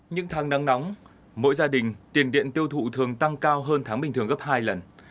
những tháng nắng nóng mỗi gia đình tiền điện tiêu thụ thường tăng cao hơn tháng bình thường gấp hai lần